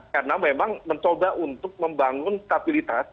karena memang mencoba untuk membangun stabilitas